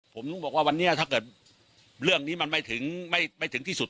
ผมถึงบอกว่าวันนี้ถ้าเกิดเรื่องนี้มันไม่ถึงที่สุด